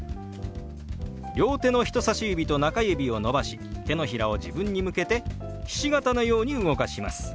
両手の人さし指と中指を伸ばし手のひらを自分に向けてひし形のように動かします。